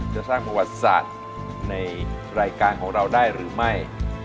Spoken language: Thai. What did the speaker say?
จะสร้างประวัติศาสตร์ในรายการของเราได้หรือไม่